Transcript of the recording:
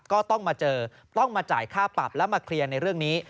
ก็ต้องมาเจอต้องมาจ่ายค่าปรับแล้วมาเคลียร์ในเรื่องนี้